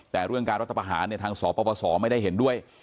แต่เรื่องการรัฐภาหารเนี่ยทางศปศไม่ได้เห็นด้วย